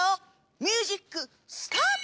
ミュージックスタート！